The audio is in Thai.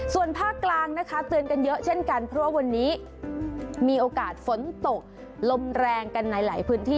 ส่วนภาคกลางนะคะเตือนกันเยอะเช่นกันเพราะว่าวันนี้มีโอกาสฝนตกลมแรงกันในหลายพื้นที่